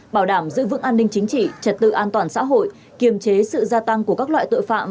bảo đảm giữ vững an ninh chính trị trật tự an toàn xã hội kiềm chế sự gia tăng của các loại tội phạm